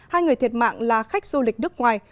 hai người thiệt mạng là khách du lịch nước ngoài